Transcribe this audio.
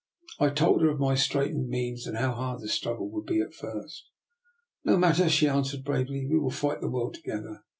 I told her of my straitened means and how hard the struggle would be at first. " No matter," she answered bravely, " we will fight the world together.